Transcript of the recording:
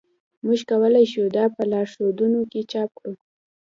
موږ کولی شو دا په لارښودونو کې چاپ کړو